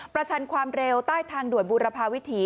ชันความเร็วใต้ทางด่วนบูรพาวิถี